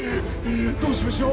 どうしましょう？